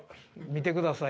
見てください